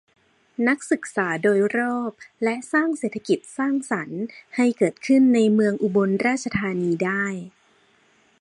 นักศึกษาโดยรอบ และ สร้างเศรษฐกิจสร้างสรรค์ให้เกิดขึ้นในเมืองอุบลราชธานีได้